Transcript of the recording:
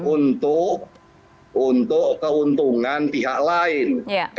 untuk keuntungan pihak lain